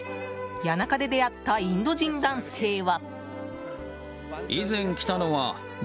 谷中で出会ったインド人男性は。